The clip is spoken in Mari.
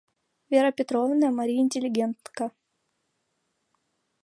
Вера Петровна — марий интеллигентка.